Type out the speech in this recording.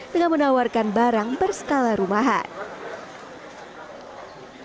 dengan menawarkan barang berskala rumahan